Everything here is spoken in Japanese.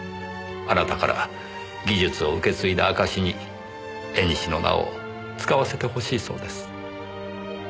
あなたから技術を受け継いだ証しに「縁」の名を使わせてほしいそうです。